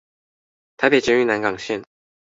臺北捷運南港線